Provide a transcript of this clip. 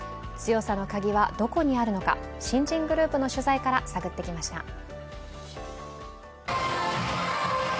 強さのカギはどこにあるのか新人グループの取材から探ってきました。